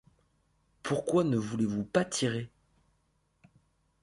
Pourquoi ne voulez-vous pas tirer ?